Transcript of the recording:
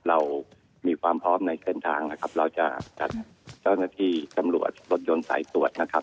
เรามีความพร้อมในเส้นทางนะครับเราจะจัดเจ้าหน้าที่ตำรวจรถยนต์สายตรวจนะครับ